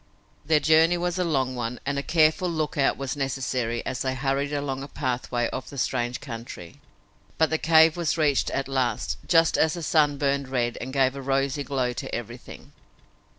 Their journey was a long one and a careful lookout was necessary as they hurried along a pathway of the strange country. But the cave was reached at last, just as the sun burned red and gave a rosy glow to everything.